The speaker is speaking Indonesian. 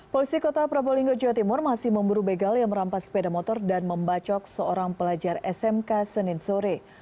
polisi kota probolinggo jawa timur masih memburu begal yang merampas sepeda motor dan membacok seorang pelajar smk senin sore